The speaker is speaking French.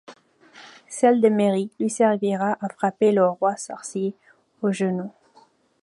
Celle de Merry lui servira à frapper le Roi-Sorcier au genou.